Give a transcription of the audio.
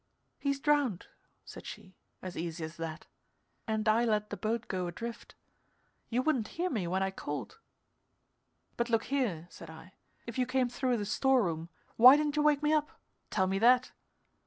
"He's drowned," said she, as easy as that. "And I let the boat go adrift. You wouldn't hear me when I called." "But look here," said I. "If you came through the store room, why didn't you wake me up? Tell me that!"